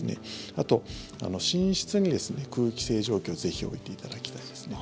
あと、寝室に空気清浄機をぜひ置いていただきたいですね。